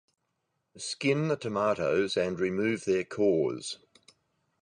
Skin the tomatoes and remove their cores.